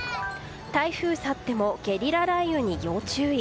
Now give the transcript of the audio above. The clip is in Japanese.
台風去ってもゲリラ雷雨に要注意。